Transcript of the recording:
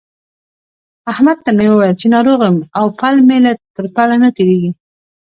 احمد ته مې وويل چې ناروغ يم او پل مې تر پله نه تېرېږي.